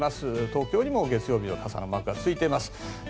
東京にも月曜日は傘のマークがついています。